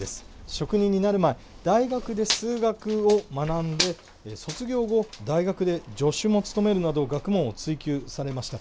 職人になる前大学で数学を学んで卒業後、大学で助手も務めるなど学問を追究されました。